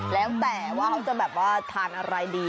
แล้วแต่ว่าเขาจะแบบว่าทานอะไรดี